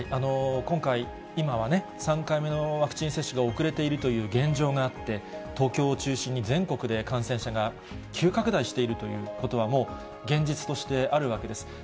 今回、今はね、３回目のワクチン接種が遅れているという現状があって、東京を中心に全国で感染者が急拡大しているということは、もう現実としてあるわけです。